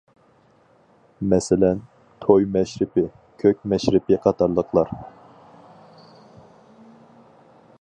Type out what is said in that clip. مەسىلەن: توي مەشرىپى، كۆك مەشرىپى قاتارلىقلار.